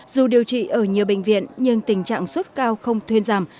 dù điều trị ở nhiều bệnh viện nhưng tình trạng sốt cao không thuyên giảm